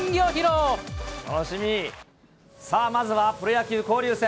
さあ、まずはプロ野球・交流戦。